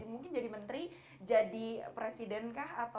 mungkin jadi menteri jadi presiden kah